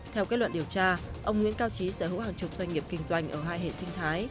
theo kết luận điều tra ông nguyễn cao trí sở hữu hàng chục doanh nghiệp kinh doanh ở hai hệ sinh thái